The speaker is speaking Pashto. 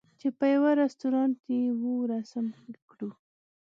چې په یوه رستوران یې وو رسم کړو.